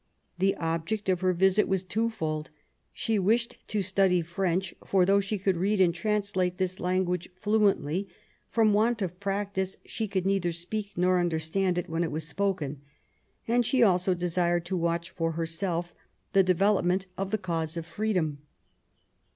The object of her virit was twofold. She wished to study French, for though she could read and translate this language fluently, from want of practice she could neither speak nor under stand it when it was spoken ; and she also desired to watch for herself the development of the cause of free dom.